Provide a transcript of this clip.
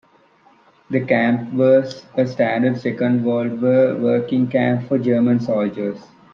The camp was a standard Second World War working camp for German soldiers.